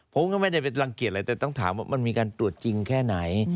ผมก็ไม่ได้ไปรังเกียจอะไรแต่ต้องถามว่ามันมีการตรวจจริงแค่ไหน